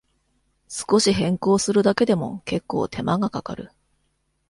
少し変更するだけでも、けっこう手間がかかる